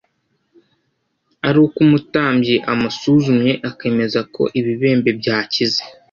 ari uko umutambyi amusuzumye akemeza ko ibibembe byakize.